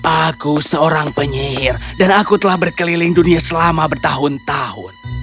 aku seorang penyihir dan aku telah berkeliling dunia selama bertahun tahun